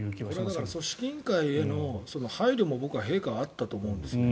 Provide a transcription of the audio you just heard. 組織委員会への配慮も僕はあったと思うんです。